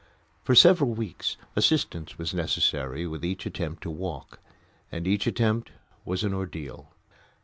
For several weeks assistance was necessary with each attempt to walk, and each attempt was an ordeal.